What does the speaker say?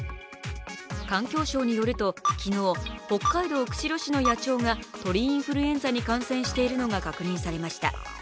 環境省によると昨日、北海道釧路市の野鳥が鳥インフルエンザに感染しているのが確認されました。